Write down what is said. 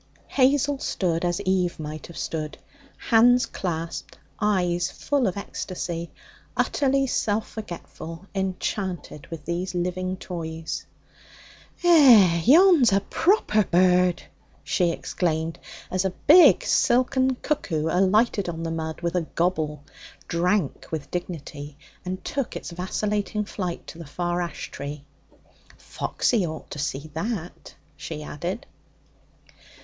Hazel stood as Eve might have stood, hands clasped, eyes full of ecstasy, utterly self forgetful, enchanted with these living toys. 'Eh, yon's a proper bird!' she exclaimed, as a big silken cuckoo alighted on the mud with a gobble, drank with dignity, and took its vacillating flight to a far ash tree. 'Foxy ought to see that,' she added.